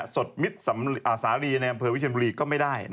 สดมิตรสาหรี่ในบริเวณวิชียันบุรีก็ไม่ได้